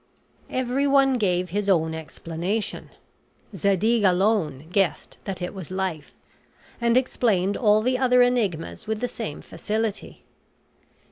Everyone gave his own explanation. Zadig alone guessed that it was Life, and explained all the other enigmas with the same facility.